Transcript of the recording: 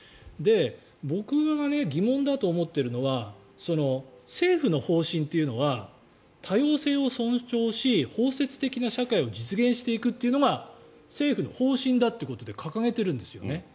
僕が疑問だと思っているのは政府の方針というのは多様性を尊重し、包摂的な社会を実現していくというのが政府の方針だということで掲げているんですよね。